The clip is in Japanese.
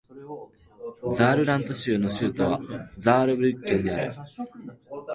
ザールラント州の州都はザールブリュッケンである